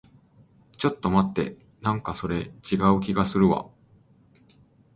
ちょっと待って。なんかそれ、違う気がするわ。